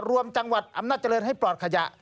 จังหวัดอำนาจเจริญให้ปลอดขยะ